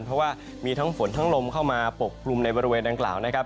เพราะว่ามีทั้งฝนทั้งลมเข้ามาปกกลุ่มในบริเวณดังกล่าวนะครับ